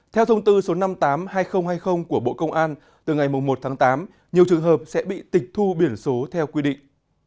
theo thông tư số năm mươi tám hai nghìn hai mươi của bộ công an từ ngày một tháng tám nhiều trường hợp sẽ bị tịch thu biển số theo quy định